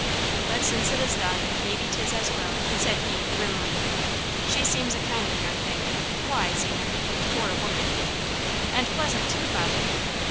"But since it is done, maybe 'tis as well," said he, grimly. "She seems a kindly young thing; wise, even for a woman." "And pleasant too, father?"